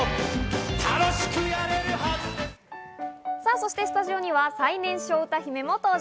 そしてスタジオには最年少歌姫も登場。